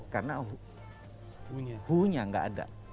karena who nya gak ada